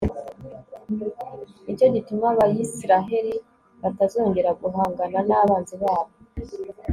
ni cyo gituma abayisraheli batazongera guhangana n'abanzi babo